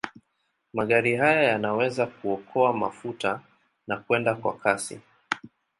Magari haya yanaweza kuokoa mafuta na kwenda kwa kasi.